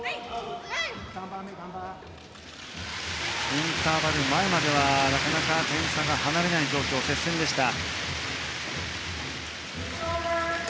インターバル前まではなかなか点差が離れない状況の接戦でした。